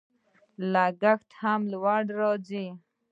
لګښت هم لوړ راځي.